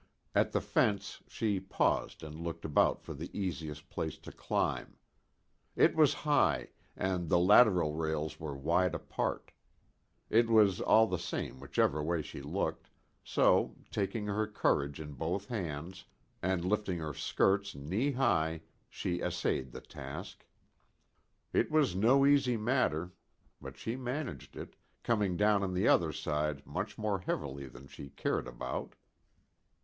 At the fence she paused and looked about for the easiest place to climb. It was high, and the lateral rails were wide apart. It was all the same whichever way she looked, so, taking her courage in both hands, and lifting her skirts knee high, she essayed the task. It was no easy matter, but she managed it, coming down on the other side much more heavily than she cared about.